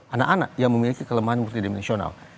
anak anak yang memiliki kelemahan multidimensional